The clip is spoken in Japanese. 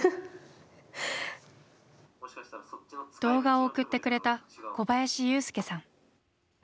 動画を送ってくれた小林勇介さん。